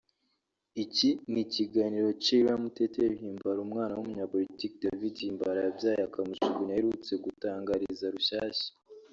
Iki ni ikiganiro Cheila Muteteri Himbara umwana w’umunyapolitiki David Himbara yabyaye akamujugunya aherutse gutangariza Rushyashya